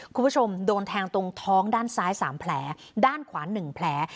คุณผู้ชมโดนแทงตรงท้องด้านซ้าย๓แผลด้านขวา๑แผล